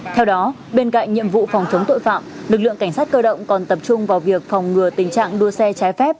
theo đó bên cạnh nhiệm vụ phòng chống tội phạm lực lượng cảnh sát cơ động còn tập trung vào việc phòng ngừa tình trạng đua xe trái phép